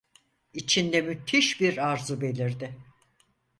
İçinde müthiş bir arzu belirdi.